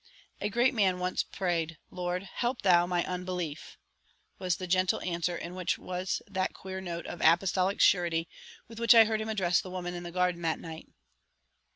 "A great man once prayed, 'Lord, help thou my unbelief,'" was the gentle answer in which was that queer note of apostolic surety with which I heard him address the woman in the garden that night.